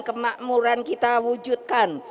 kemakmuran kita wujudkan